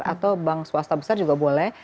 atau bank swasta besar juga boleh